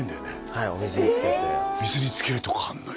はいお水につけて水につけるとこあんのよ